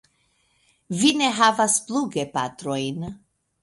Vi ne havas plu gepatrojn.